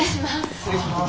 失礼します。